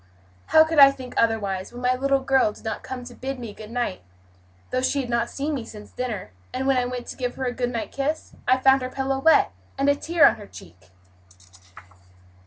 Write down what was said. "How could I think otherwise, when my little girl did not come to bid me good night, though she had not seen me since dinner; and when I went to give her a good night kiss I found her pillow wet, and a tear on her cheek?"